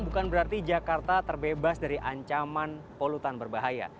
bukan berarti jakarta terbebas dari ancaman polutan berbahaya